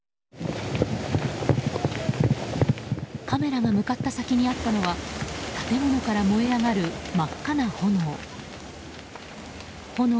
カメラが向かった先にあったのは建物から燃え上がる真っ赤な炎。